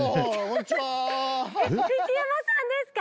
藤山さんですか？